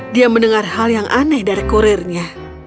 dia mendengar hal yang aneh dari kurirnya